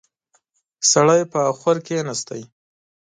سړی پر اخور کېناست.